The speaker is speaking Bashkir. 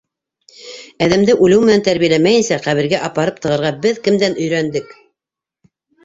Әҙәмде үлеү менән тәрбиәләмәйенсә ҡәбергә апарып тығырға беҙ кемдән өйрәндек?